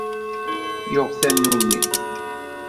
Yuɣ tanumi.